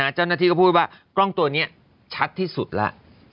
เจ้าหน้าที่ก็พูดว่ากล้องตัวนี้ชัดที่สุดแล้ว